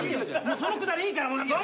もうそのくだりいいから！